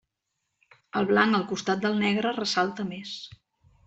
El blanc al costat del negre ressalta més.